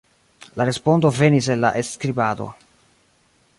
La respondo venis el la skribado.